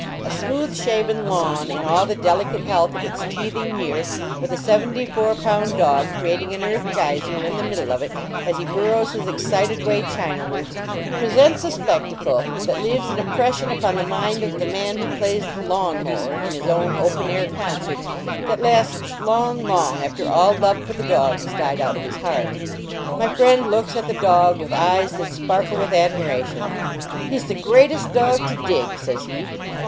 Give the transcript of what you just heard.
A smooth shaven lawn, in all the delicate health of its teething year, with a seventy four pound dog creating an earth geyser in the middle of it, as he burrows his excited way Chinawards, presents a spectacle that leaves an impression upon tiie mind of the man who plays the lawn mower in his own open air concerts that lasts long, long after all love for the dog has died out of his heart. My friend looks at the dog with eyes that sparkle with admiration. " He s the greatest dog to dig," says he.